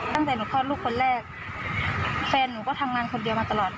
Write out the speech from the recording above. ตั้งแต่หนูคลอดลูกคนแรกแฟนหนูก็ทำงานคนเดียวมาตลอด